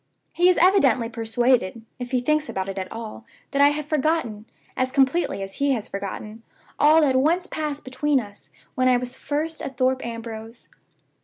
He is evidently persuaded (if he thinks about it at all) that I have forgotten, as completely as he has forgotten, all that once passed between us when I was first at Thorpe Ambrose.